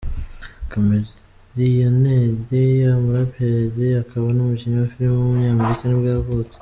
Chamillionaire, umuraperi akaba n’umukinnyi wa filime w’umunyamerika nibwo yavutse.